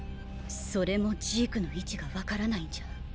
それもジークの位置がわからないんじゃ。